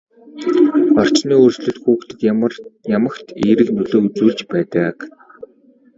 Орчны өөрчлөлт хүүхдэд ямагт эерэг нөлөө үзүүлж байдаг юм.